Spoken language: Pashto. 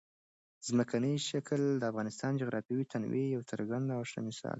ځمکنی شکل د افغانستان د جغرافیوي تنوع یو څرګند او ښه مثال دی.